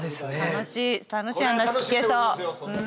楽しい話聞けそう。